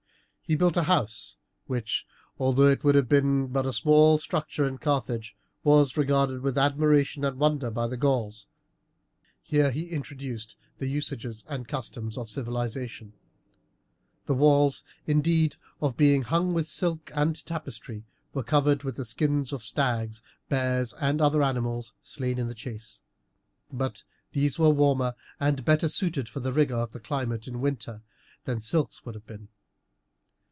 He built a house, which, although it would have been but a small structure in Carthage, was regarded with admiration and wonder by the Gauls. Here he introduced the usages and customs of civilization. The walls, indeed, instead of being hung with silk and tapestry, were covered with the skins of stags, bears, and other animals slain in the chase; but these were warmer and better suited for the rigour of the climate in winter than silks would have been.